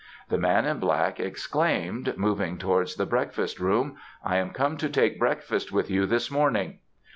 The man in black exclaimed, moving towards the breakfast room, "I am come to take breakfast with you this morning."